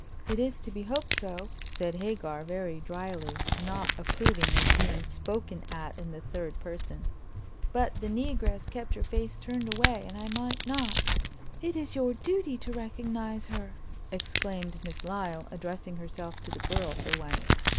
"It is to be hoped so," said Hagar, very dryly, not approving of being spoken at in the third person; "but the negress kept her face turned away, and I might not—" "It is your duty to recognize her," exclaimed Miss Lyle, addressing herself to the girl for once.